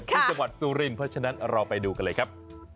เพราะฉะนั้นเราไปดูกันเลยครับ